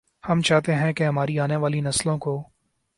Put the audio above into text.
ہم چاہتے ہیں کہ ہماری آنے والی نسلوں کو